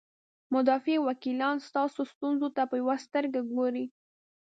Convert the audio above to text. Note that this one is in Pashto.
مدافع وکیلان ستاسو ستونزو ته په یوې سترګې ګوري.